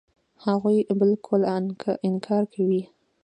هغوی بالکل انکار کوي.